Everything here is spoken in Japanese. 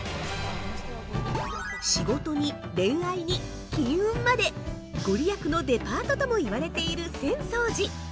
仕事に恋愛に金運まで、ご利益のデパートとも言われている浅草寺。